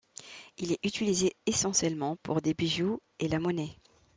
Il est utilisé essentiellement pour des bijoux et la monnaie.